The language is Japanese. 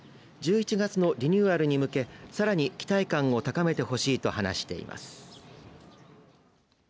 １１月のリニューアルに向けさらに期待感を高めてほしいと話しています。